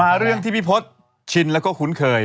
เรื่องที่พี่พศชินแล้วก็คุ้นเคย